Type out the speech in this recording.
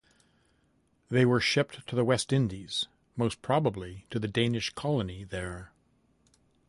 These were shipped to the West Indies (most probably to the Danish colony there).